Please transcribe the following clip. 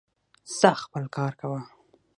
ځاا خپل کار کوه